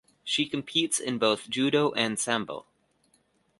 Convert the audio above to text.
She competes in both judo and sambo.